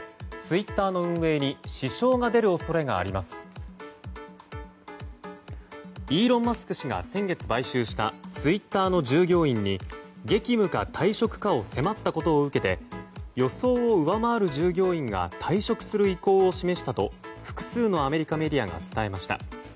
イーロン・マスク氏が先月買収したツイッターの従業員に激務か退職かを迫ったことを受けて予想を上回る従業員が退職する意向を示したと複数のアメリカメディアが伝えました。